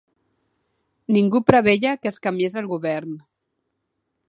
Ningú preveia que es canviés el govern.